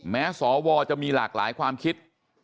สวจะมีหลากหลายความคิด